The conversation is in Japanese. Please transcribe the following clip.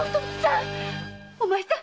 お前さん！